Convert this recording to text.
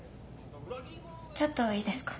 ちょっといいですか？